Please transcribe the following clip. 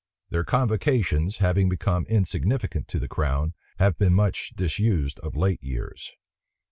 Their convocations, having become insignificant to the crown, have been much disused of late years.